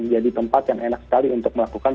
jadi tempat yang enak sekali untuk melakukan